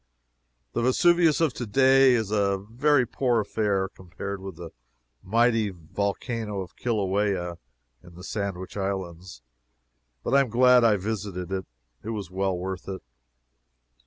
The Vesuvius of today is a very poor affair compared to the mighty volcano of Kilauea, in the Sandwich Islands, but I am glad I visited it. It was well worth it.